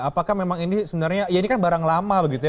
apakah memang ini sebenarnya ya ini kan barang lama begitu ya